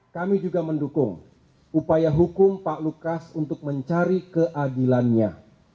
kami juga mendukung upaya hukum pak lukas untuk mencari keadilannya